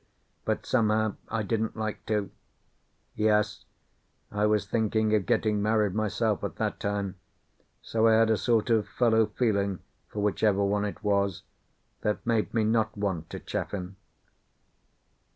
But, somehow, I didn't like to. Yes, I was thinking of getting married myself at that time, so I had a sort of fellow feeling for whichever one it was, that made me not want to chaff him.